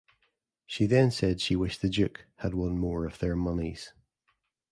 She then said she wished the Duke "had won more of their moneys".